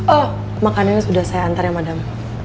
oh makanan sudah saya antar ya madam